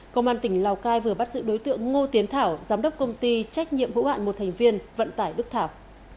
công an tỉnh lào cai vừa bắt giữ đối tượng ngô tiến thảo giám đốc công ty trách nhiệm hữu hạn một thành viên vận tải đức thảo